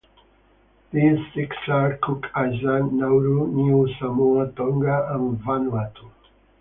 These six are Cook Islands, Nauru, Niue, Samoa, Tonga and Vanuatu.